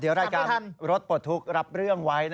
เดี๋ยวรายการรถปลดทุกข์รับเรื่องไว้